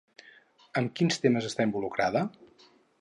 Amb quins temes està involucrada?